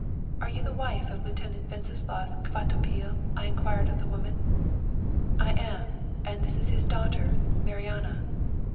"'Are you the wife of Lieutenant Wenceslaus Kvatopil?' I inquired of the woman. "'I am, and this is his daughter, Marianna.'